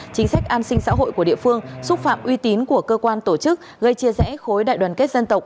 chính sách an sinh xã hội của địa phương xúc phạm uy tín của cơ quan tổ chức gây chia rẽ khối đại đoàn kết dân tộc